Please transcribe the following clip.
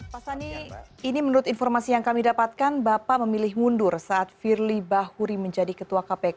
pak sani ini menurut informasi yang kami dapatkan bapak memilih mundur saat firly bahuri menjadi ketua kpk